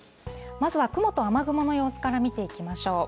まずは雲と雨雲の様子から見ていきましょう。